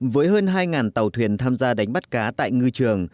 với hơn hai tàu thuyền tham gia đánh bắt cá tại ngư trường